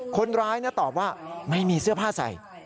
คนร้ายตอบว่าไม่มีเสื้อผ้าใส่